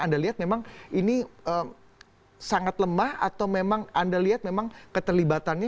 anda lihat memang ini sangat lemah atau memang anda lihat memang keterlibatannya